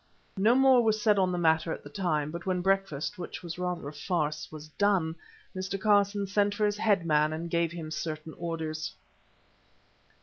No more was said on the matter at the time, but when breakfast—which was rather a farce—was done, Mr. Carson sent for his headman and gave him certain orders.